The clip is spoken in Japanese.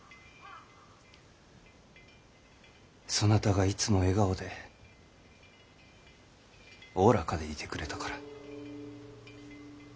そなたがいつも笑顔でおおらかでいてくれたから。